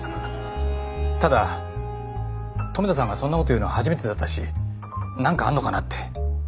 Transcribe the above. ただ留田さんがそんなこと言うの初めてだったし何かあんのかなって。